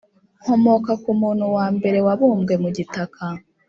nkomoka ku muntu wa mbere wabumbwe mu gitaka.